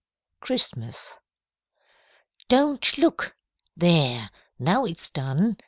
CHRISTMAS "DON'T look! There, now it's done!"